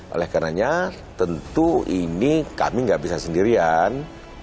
oleh karenanya tentu ini kami nggak bisa sendirian